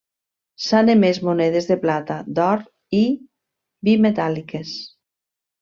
S'han emès monedes de plata, d'or i bimetàl·liques.